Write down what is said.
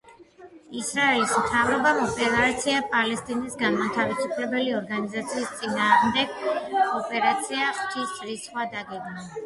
ისრაელის მთავრობამ ოპერაცია პალესტინის განმათავისუფლებელი ორგანიზაციის წინააღმდეგ ოპერაცია „ღვთის რისხვა“ დაგეგმა.